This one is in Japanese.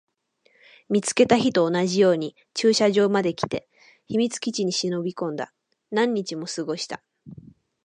見つけた日と同じように駐車場まで来て、秘密基地に忍び込んだ。何日も過ごした。